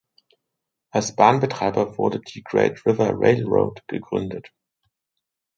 Als Bahnbetreiber wurde die Great River Railroad gegründet.